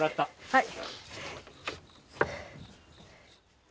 はい。